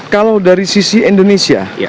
kalau dari sisi indonesia